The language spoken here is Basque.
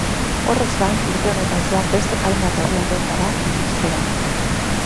Horrez gain, urte honetan zehar beste hainbat herrialdeetara iritsiko da.